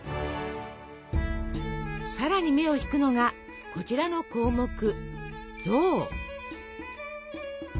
さらに目を引くのがこちらの項目「象」。